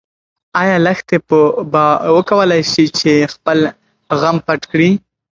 ايا لښتې به وکولی شي چې خپل غم پټ کړي؟